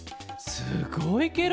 すごいケロ。